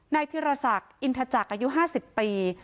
ธิรศักดิ์อินทจักรอายุ๕๐ปี